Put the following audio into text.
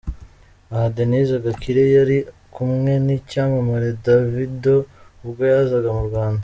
Aha Denise Gakire yari kumwe n'icyamamare Davido ubwo yazaga mu Rwanda.